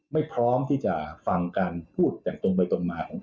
ไม่พร้อมที่จะฟังการพูดอย่างตรงไปตรงมา